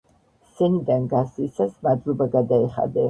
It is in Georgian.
სცენიდა გასვლისას მადლობა გადაიხადე.